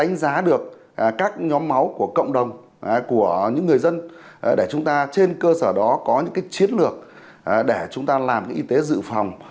đánh giá được các nhóm máu của cộng đồng của những người dân để chúng ta trên cơ sở đó có những chiến lược để chúng ta làm y tế dự phòng